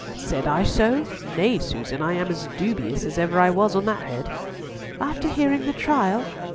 "Said I so? Nay, Susan, I am as dubious as ever I was on that head." "After hearing the trial?"